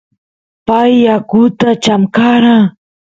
pay yakuta chamkara